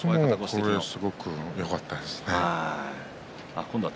これがすごくよかったですね。